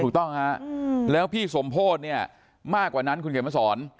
ถูกต้องฮะแล้วพี่สมโพธิเนี่ยมากกว่านั้นคุณเขียนมาสอน